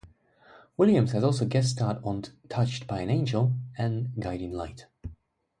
Williams has also guest-starred on "Touched by an Angel" and "Guiding Light".